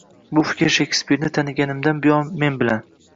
Bu fikr Shekspirni taniganimdan buyon men bilan.